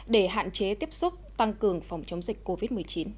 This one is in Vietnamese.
để hạn chế tiếp xúc tăng cường phòng chống dịch covid một mươi chín